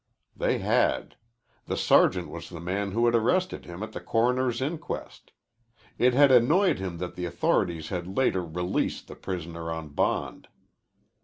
They had. The sergeant was the man who had arrested him at the coroner's inquest. It had annoyed him that the authorities had later released the prisoner on bond.